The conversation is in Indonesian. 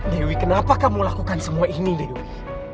dewi kenapa kamu lakukan semua ini dewi